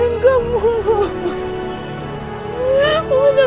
nanti kita berjalan